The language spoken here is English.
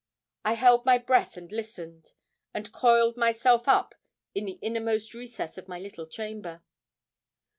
I held my breath and listened, and coiled myself up in the innermost recess of my little chamber.